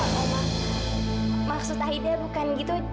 pak oma maksud aida bukan gitu